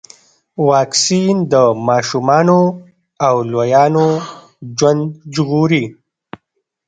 واکسین د ماشومانو او لویانو ژوند ژغوري.